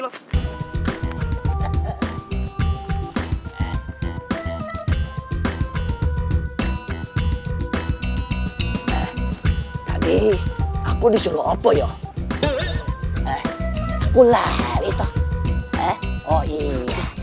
oh iya aku disuruh apa ya aku lelit semua that's crazy